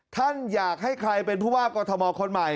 ท่านอยากให้ใครเป็นผู้ว่ากอทมคนใหม่